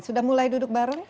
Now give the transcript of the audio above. sudah mulai duduk bareng